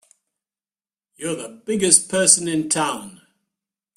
You're the biggest person in town!